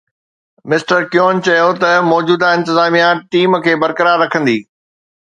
mister Kevin company چيو ته موجوده انتظاميا ٽيم کي برقرار رکندي